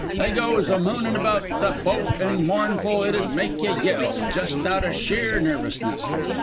They goes a moonin' about the boat that mournful it 'ud make you yell jus' out o' sheer nervousness.